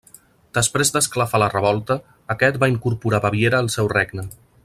Després d'esclafar la revolta, aquest va incorporar Baviera al seu regne.